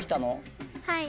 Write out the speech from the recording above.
はい。